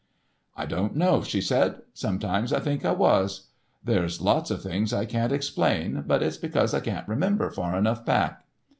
"I don't know," she said. "Sometimes I think I was. There's lots of things I can't explain, but it's because I can't remember far enough back."